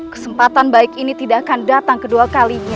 kesempatan baik ini tidak akan datang kedua kalinya